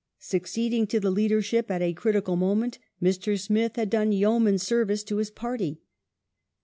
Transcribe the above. Succeeding to the leadership at a critical moment MrJ Smith had done yeoman service to his party.